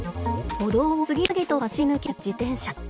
歩道を次々と走り抜ける自転車。